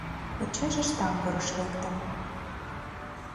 Почешышт тамбурыш лектым.